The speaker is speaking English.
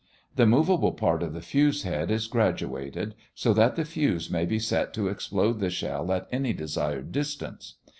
The movable part of the fuse head is graduated so that the fuse may be set to explode the shell at any desired distance.